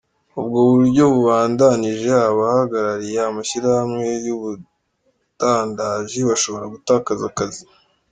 Ubwo buryo bubandanije, abahagarariye amashirahamwe y'ubudandaji bashobora gutakaza akazi.